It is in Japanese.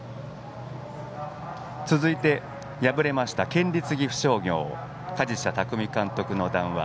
続いて敗れました県立岐阜商業鍛治舎巧監督の談話。